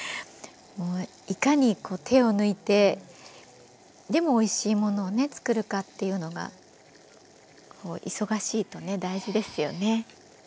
もういかに手を抜いてでもおいしいものをね作るかっていうのが忙しいとね大事ですよね。